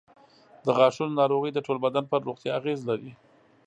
د غاښونو ناروغۍ د ټول بدن پر روغتیا اغېز لري.